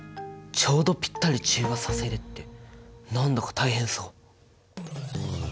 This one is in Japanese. ちょうどぴったり中和させるって何だか大変そう！